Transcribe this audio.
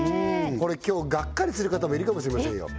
これ今日がっかりする方もいるかもしれませんよ